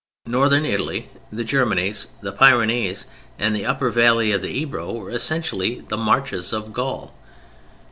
Northern Italy, the Germanies, the Pyrenees and the upper valley of the Ebro were essentially the marches of Gaul.